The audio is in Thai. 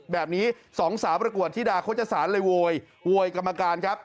แบบนี้สองสาวประกวดธิดาโฆษศาลเลยโวยโวยกรรมการครับ